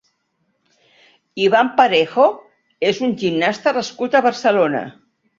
Ivan Parejo és un gimnasta nascut a Barcelona.